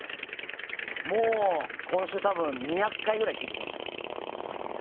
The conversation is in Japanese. もう、今週たぶん２００回くらい聴いてきました。